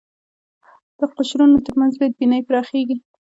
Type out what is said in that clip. د قشرونو تر منځ بدبینۍ پراخېږي